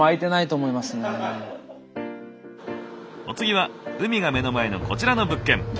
お次は海が目の前のこちらの物件！